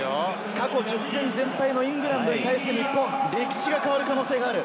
過去１０戦全敗のイングランドに対して、歴史が変わる可能性がある？